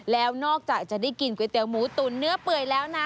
แล้วนอกจากจะได้กินก๋วยเตี๋ยหมูตุ๋นเนื้อเปื่อยแล้วนะ